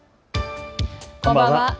こんばんは。